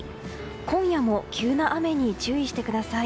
今夜も急な雨に注意してください。